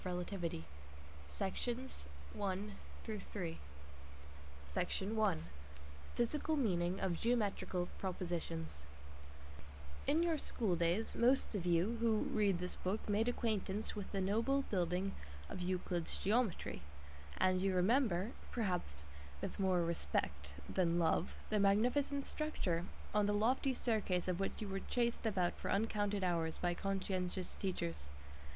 December, 1916 A. EINSTEIN PART I THE SPECIAL THEORY OF RELATIVITY PHYSICAL MEANING OF GEOMETRICAL PROPOSITIONS In your schooldays most of you who read this book made acquaintance with the noble building of Euclid's geometry, and you remember perhaps with more respect than love the magnificent structure, on the lofty staircase of which you were chased about for uncounted hours by conscientious teachers.